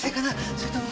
それとも。